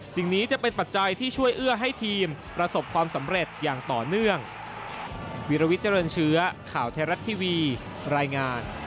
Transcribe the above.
สิ่งนี้จะเป็นปัจจัยที่ช่วยเอื้อให้ทีมประสบความสำเร็จอย่างต่อเนื่อง